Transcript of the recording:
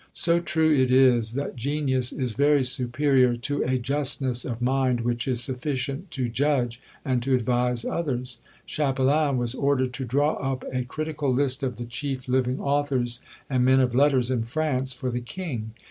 So true is it, that genius is very superior to a justness of mind which is sufficient to judge and to advise others." Chapelain was ordered to draw up a critical list of the chief living authors and men of letters in France, for the king.